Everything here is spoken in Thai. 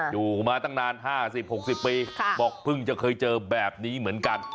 อยู่มาตั้งนาน๕๐๖๐ปีบอกเพิ่งจะเคยเจอแบบนี้เหมือนกัน